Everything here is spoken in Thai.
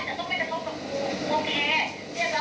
อย่าเอาว่าคุณเป็นของข่าวที่เสียหาย